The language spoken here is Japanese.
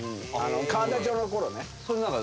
河田町のころね。